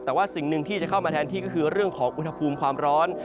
แต่ว่าสิ่งหนึ่งที่จะเข้ามาแทนที่ก็คือเรื่องของอุณหภูมิความร้อน